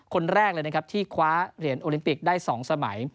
คนแรกเลยนะครับที่คว้าเหรียญโอลิมปิกได้๒สมัย